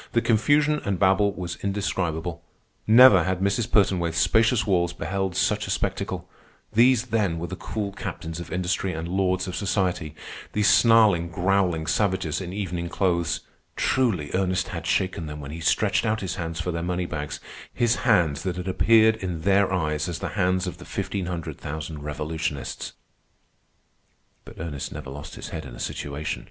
The confusion and babel was indescribable. Never had Mrs. Pertonwaithe's spacious walls beheld such a spectacle. These, then, were the cool captains of industry and lords of society, these snarling, growling savages in evening clothes. Truly Ernest had shaken them when he stretched out his hands for their moneybags, his hands that had appeared in their eyes as the hands of the fifteen hundred thousand revolutionists. But Ernest never lost his head in a situation.